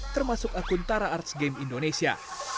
termasuk akun tara arts game indonesia